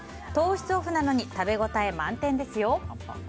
糖質オフなのに食べ応え満点ですよ。